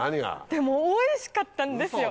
でもおいしかったんですよ！